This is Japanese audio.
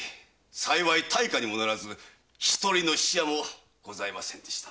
幸い大火にござらず一人の死者もございませんでした。